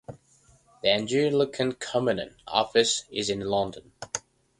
The Anglican Communion Office is in London.